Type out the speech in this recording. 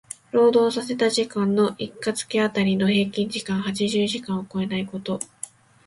労働させた時間の一箇月当たりの平均時間八十時間を超えないこと。